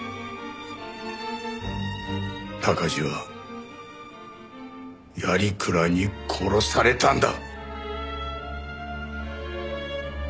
鷹児は鑓鞍に殺されたんだ！